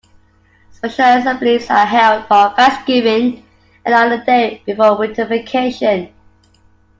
Special assemblies are held for Thanksgiving and on the day before winter vacation.